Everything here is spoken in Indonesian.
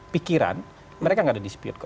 pikiran mereka nggak ada dispute kok